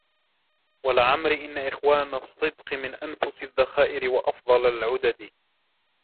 وَلَعَمْرِي إنَّ إخْوَانَ الصِّدْقِ مِنْ أَنْفَسِ الذَّخَائِرِ وَأَفْضَلِ الْعُدَدِ